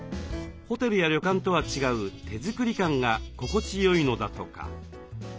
ホテルや旅館とは違う手作り感が心地よいのだとか。